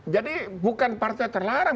jadi bukan partai terlarang